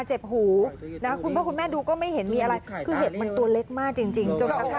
เจ็บหูนะครับคุณพ่อคุณแม่ดูก็ไม่เห็นมีอะไรคือเห็นมันตัวเล็กมากจริง